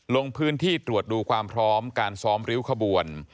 ลงพื้นที่ตรวจดูความพร้อมการซ้อมริ้วขบวน